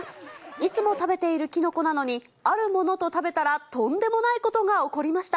いつも食べているキノコなのに、あるものと食べたらとんでもないことが起こりました。